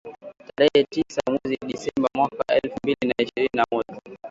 tarehe tisa mwezi Disemba mwaka elfu mbili na ishirini na moja